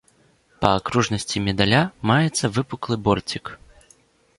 Па акружнасці медаля маецца выпуклы борцік.